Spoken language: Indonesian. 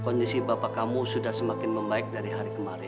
kondisi bapak kamu sudah semakin membaik dari hari kemarin